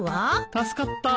助かった。